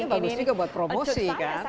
bagus juga buat promosi kan